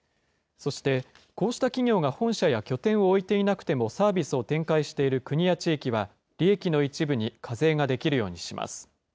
そしてこうした企業が本社や拠点を置いていなくても、サービスを展開している国や地域は、利益の一部に課税ができるようにします。